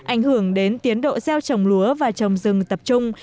ảnh hưởng đến tiến độ gieo trồng lúa và trồng rừng tập trung